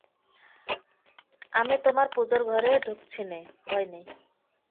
আমি তোমার পুজোর ঘরে ঢুকছি নে, ভয় নেই।